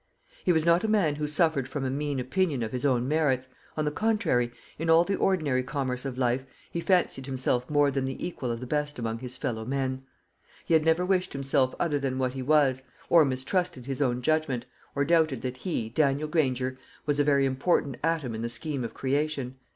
He was not a man who suffered from a mean opinion of his own merits. On the contrary, in all the ordinary commerce of life he fancied himself more than the equal of the best among his fellow men. He had never wished himself other than what he was, or mistrusted his own judgment, or doubted that he, Daniel Granger, was a very important atom in the scheme of creation.